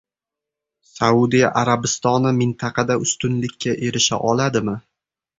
Saudiya Arabistoni mintaqada ustunlikka erisha oladimi?